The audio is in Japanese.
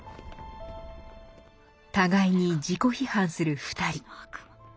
互いに自己批判する２人。